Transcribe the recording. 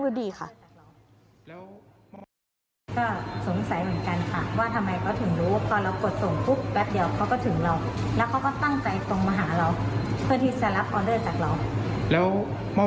เพื่อที่จะรับออเดอร์จากเรา